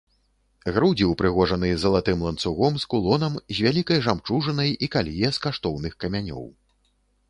Грудзі ўпрыгожаны залатым ланцугом з кулонам з вялікай жамчужынай і калье з каштоўных камянёў.